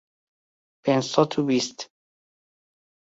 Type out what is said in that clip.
پێنج سەد و بیست